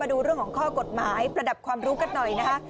ดูเรื่องของข้อกฎหมายประดับความรู้กันหน่อยนะคะ